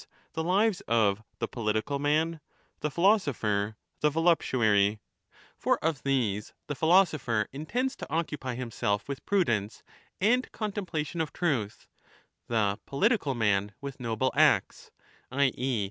the 1215 ' lives of * the political man ', the philosopher, the voluptuary ; for of these the philosopher intends to occupy himself with prudence and contemplation of truth, the ' political man ' with noble acts (i. e.